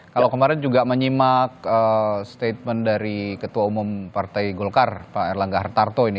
kalau kemarin juga menyimak statement dari ketua umum partai golkar pak erlangga hartarto ini